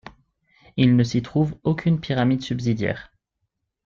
Il ne s'y trouve aucune pyramide susbidiaire.